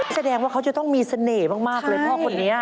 แสดงว่าเขาจะต้องมีเสน่ห์มากเลยพ่อคนนี้